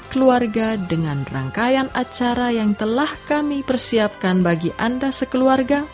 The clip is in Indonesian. dan keluarga dengan rangkaian acara yang telah kami persiapkan bagi anda sekeluarga